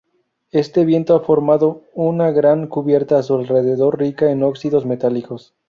Este viento ha formado una gran cubierta a su alrededor rica en óxidos metálicos.